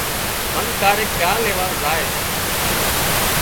هانَ ڪاريڪ ڳاه ليوا زائي